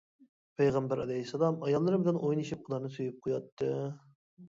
پەيغەمبەر ئەلەيھىسسالام ئاياللىرى بىلەن ئوينىشىپ، ئۇلارنى سۆيۈپ قوياتتى.